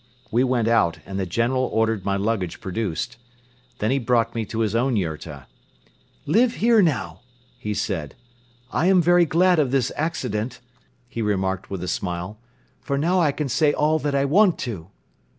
We went out and the General ordered my luggage produced. Then he brought me to his own yurta. "Live here, now," he said. "I am very glad of this accident," he remarked with a smile, "for now I can say all that I want to."